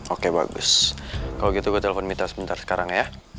oke bagus kalau gitu gue telepon mita sebentar sekarang ya